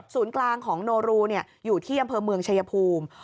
กลางของโนรูอยู่ที่อำเภอเมืองชายภูมิ